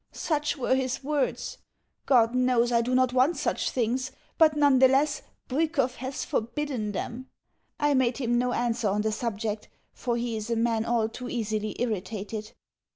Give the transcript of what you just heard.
Such were his words. God knows I do not want such things, but none the less Bwikov has forbidden them. I made him no answer on the subject, for he is a man all too easily irritated.